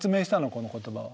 この言葉は。